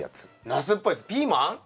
ナスっぽいやつピーマン？